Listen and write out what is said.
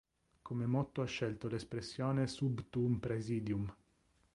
Come motto ha scelto l'espressione "Sub Tuum praesidium".